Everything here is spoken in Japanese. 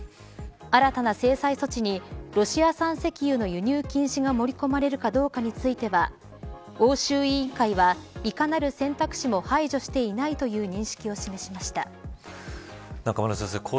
新たな制裁措置にロシア産石油の輸入禁止が盛り込まれるかどうかについては欧州委員会は、いかなる選択肢も排除していない中村先生